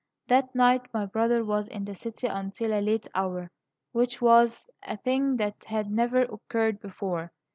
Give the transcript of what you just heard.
That night my brother was in the city until a late hour, which was a thing that had never occurred before.